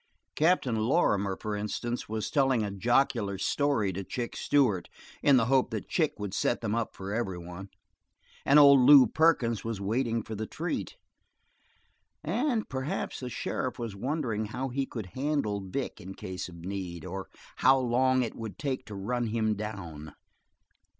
Captain Lorrimer, for instance, was telling a jocular story to Chick Stewart in the hope that Chick would set them up for every one; and old Lew Perkins was waiting for the treat; and perhaps the sheriff was wondering how he could handle Vic in case of need, or how long it would take to run him down.